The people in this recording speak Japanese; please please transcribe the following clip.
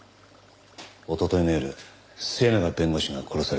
一昨日の夜末永弁護士が殺された。